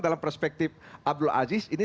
dalam perspektif abdul aziz ini